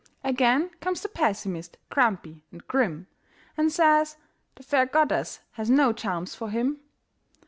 Again comes the pessimist, grumpy and grim, And says the fair goddess has no charms for him.